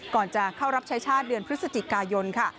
ก่อนจะเข้ารับใช้ชาติเดือนพฤศจิกายนค่ะ